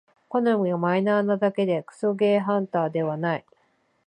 好みがマイナーなだけでクソゲーハンターではない